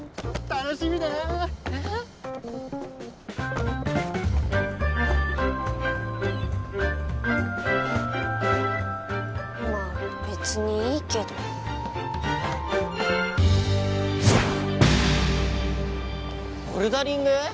楽しみだなまぁ別にいいけどボルダリング？